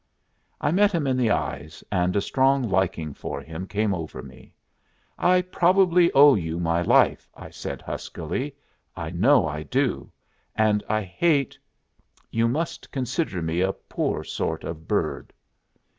I met him in the eyes, and a strong liking for him came over me. "I probably owe you my life," I said, huskily. "I know I do. And I hate you must consider me a poor sort of bird."